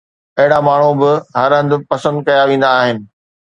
اهڙا ماڻهو به هر هنڌ پسند ڪيا ويندا آهن